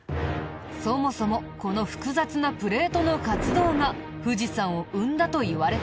そもそもこの複雑なプレートの活動が富士山を生んだといわれているんだ。